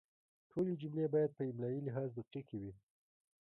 ټولې جملې باید په املایي لحاظ دقیقې وي.